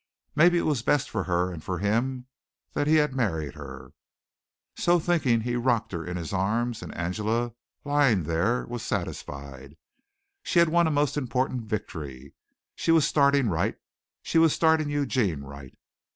Maybe it was best for her and for him that he had married her. So thinking he rocked her in his arms, and Angela, lying there, was satisfied. She had won a most important victory. She was starting right. She was starting Eugene right.